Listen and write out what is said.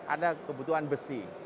ada kebutuhan besi